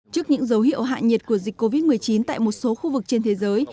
trước những dấu hiệu hạ nhiệt của dịch covid một mươi chín tại một số khu vực trên thế giới